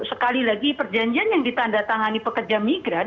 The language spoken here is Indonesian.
sekali lagi perjanjian yang ditandatangani pekerja migran